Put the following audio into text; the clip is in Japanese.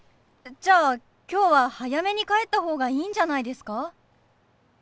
じゃあ今日は早めに帰った方がいいんじゃないですか？